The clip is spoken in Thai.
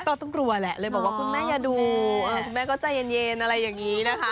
ก็ต้องกลัวแหละเลยบอกว่าคุณแม่อย่าดูคุณแม่ก็ใจเย็นอะไรอย่างนี้นะคะ